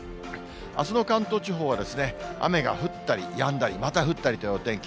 あすの関東地方は雨が降ったりやんだり、また降ったりというお天気。